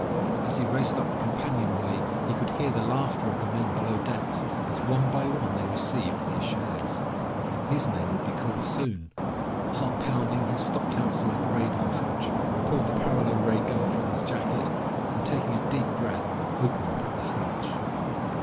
As he raced up the companionway he could hear the laughter of the men below decks as one by one they received their shares. His name would be called soon. Heart pounding, he stopped outside the radar hatch, pulled the paralo ray gun from his jacket, and taking a deep breath opened the hatch.